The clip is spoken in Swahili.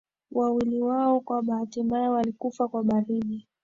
wawili wao kwa bahati mbaya walikufa kwa baridi